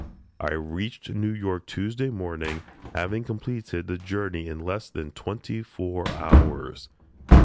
I reached New York Tuesday morning, having completed the journey in less than twenty four hours.